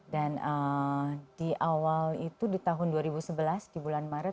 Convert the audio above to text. dan di awal itu di tahun dua ribu sebelas di bulan maret